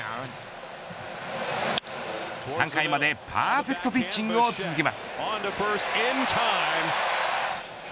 ３回までパーフェクトピッチングを続けます。